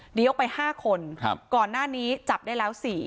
หนีออกไป๕คนก่อนหน้านี้จับได้แล้ว๔